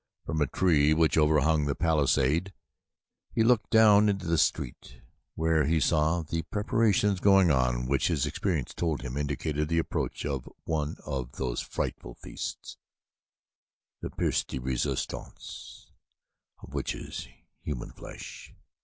From a tree which overhung the palisade he looked down into the street where he saw the preparations going on which his experience told him indicated the approach of one of those frightful feasts the piece de resistance of which is human flesh.